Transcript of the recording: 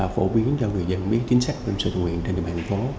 phổ biến cho người dân biết chính sách bảo hiểm xã hội tự nguyện trên địa bàn thành phố